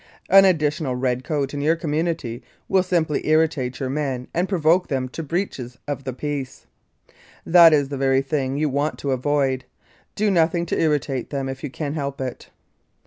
An additional red coat in your com munity will simply irritate your men and provoke them to breaches of the peace. That is the very thing you want to avoid. Do nothing to irritate them if you can help it.